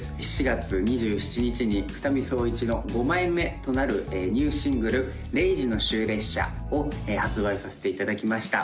４月２７日に二見颯一の５枚目となるニューシングル「０時の終列車」を発売させていただきました